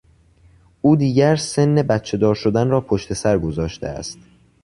او دیگر سن بچهدار شدن را پشتسر گذاشته است.